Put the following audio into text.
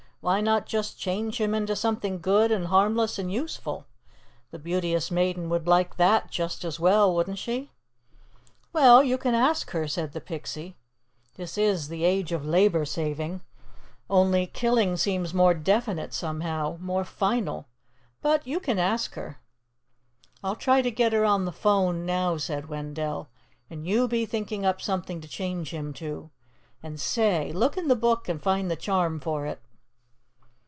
"Why not just change him into something good and harmless and useful. The Beauteous Maiden would like that just as well, wouldn't she?" "Well, you can ask her," said the Pixie. "This is the age of labor saving. Only, killing seems more definite, somehow, more final. But you can ask her." "I'll try to get her on the 'phone, now," said Wendell, "and you be thinking up something to change him to. And say, look in the Book and find the charm for it."